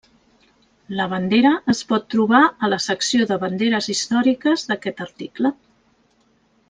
La bandera es pot trobar a la secció de banderes històriques d'aquest article.